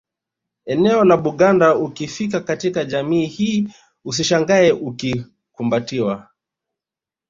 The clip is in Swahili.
Eneo la Buganda ukifika katika jamii hii usishangae ukikumbatiwa